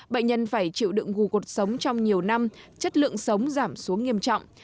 bệnh nhân phải chịu đựng gù cột sống trong nhiều năm chất lượng sống giảm xuống nghiêm trọng